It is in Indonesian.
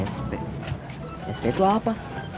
sp sp itu apa